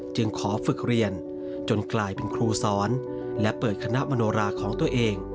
จึงขอฝึกเรียนจนกลายเป็นครูสอนและเปิดคณะมโนราของตัวเอง